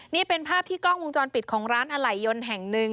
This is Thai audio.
นี่เป็นภาพที่กล้องวงจรปิดของร้านอะไหล่ยนต์แห่งหนึ่ง